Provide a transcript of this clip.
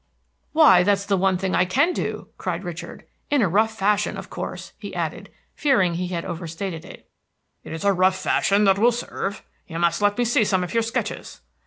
"Why, that is the one thing I can do!" cried Richard, "in a rough fashion, of course," he added, fearing he had overstated it. "It is a rough fashion that will serve. You must let me see some of your sketches."